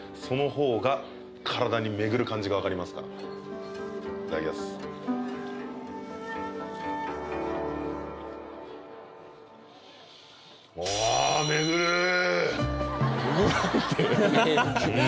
そのほうが体に巡る感じが分かりますからいただきます